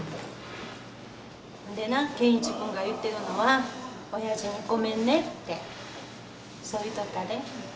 でな健一君が言うてるのは「親父にごめんね」ってそう言っとったで。